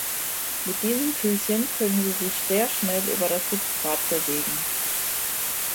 Mit diesen Füßchen können sie sich sehr schnell über das Substrat bewegen.